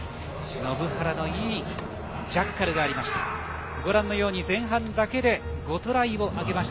延原の、いいジャッカルがありました。